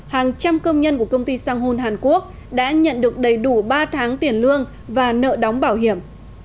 hàng trăm công nhân của công ty san hô hàn quốc đã nhận được đầy đủ ba tháng tiền lương và nợ đóng bảo hiểm